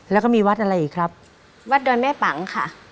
แล้วก็มีวัดอะไรอีกครับวัดดอยแม่ปังค่ะ